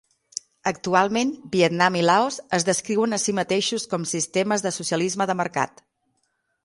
Actualment Vietnam i Laos es descriuen a si mateixos com sistemes de socialisme de mercat.